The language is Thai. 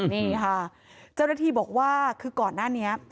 นี่ค่ะเจ้าหน้าที่บอกว่าคือก่อนหน้านี้